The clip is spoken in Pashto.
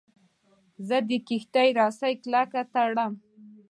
زه د کښتۍ رسۍ کلکه تړم.